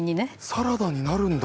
サラダになるんだ。